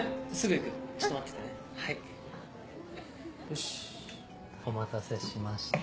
よしお待たせしました。